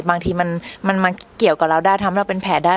บางทีมันมาเกี่ยวกับเราได้ทำให้เราเป็นแผลได้